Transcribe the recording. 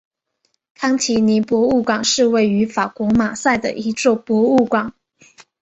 康提尼博物馆是位于法国马赛的一座博物馆。